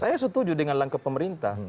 saya setuju dengan langkah pemerintah